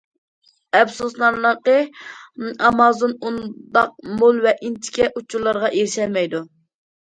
ئەپسۇسلىنارلىقى، ئامازون ئۇنداق مول ۋە ئىنچىكە ئۇچۇرلارغا ئېرىشەلمەيدۇ.